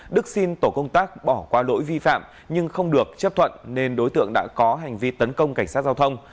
đức xin tổ công tác bỏ qua lỗi vi phạm nhưng không được chấp thuận nên đối tượng đã có hành vi tấn công cảnh sát giao thông